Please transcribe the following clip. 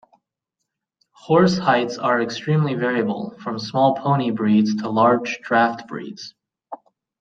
Horse heights are extremely variable, from small pony breeds to large draft breeds.